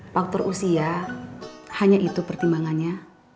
faktor usia hanya itu pertimbangannya